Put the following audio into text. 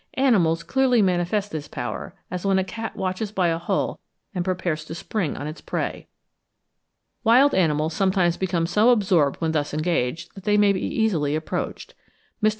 Animals clearly manifest this power, as when a cat watches by a hole and prepares to spring on its prey. Wild animals sometimes become so absorbed when thus engaged, that they may be easily approached. Mr.